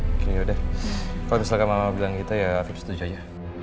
oke yaudah kalau misalkan mama bilang gitu ya vip setuju aja